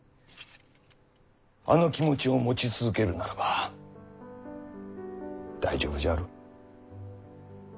あの気持ちを持ち続けるならば大丈夫じゃろ。